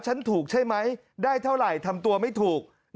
ฉันถูกใช่ไหมได้เท่าไหร่ทำตัวไม่ถูก